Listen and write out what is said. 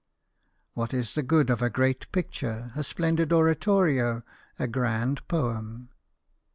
What is the good of a great picture, a splendid oratorio, a grand poem